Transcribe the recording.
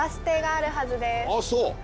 あっそう。